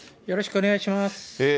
よろしくお願いします。